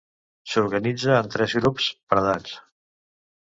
S'organitza en tres grups, per edats.